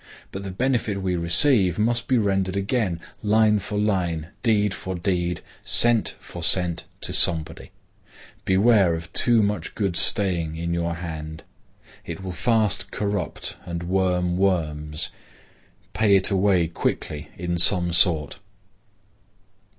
But the benefit we receive must be rendered again, line for line, deed for deed, cent for cent, to somebody. Beware of too much good staying in your hand. It will fast corrupt and worm worms. Pay it away quickly in some sort.